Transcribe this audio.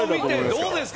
どうですか？